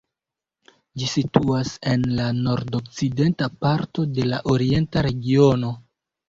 Ĝi situas en la nordokcidenta parto de la Orienta Regiono.